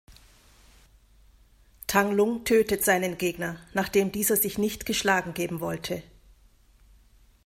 Tang Lung tötet seinen Gegner, nachdem dieser sich nicht geschlagen geben wollte.